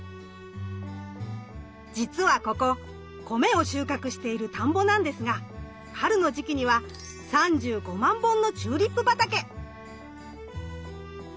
じつはここ米を収穫している田んぼなんですが春の時期には３５万本のチューリップ畑。